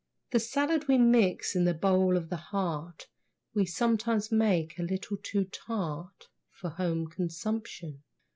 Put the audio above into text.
The salad we mix in the bowl of the heart We sometimes make a little too tart For home consumption.